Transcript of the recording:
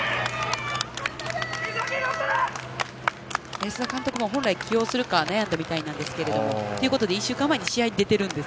安田監督も本来起用するか悩んだみたいなんですがということで１週間前に試合に出ているんです。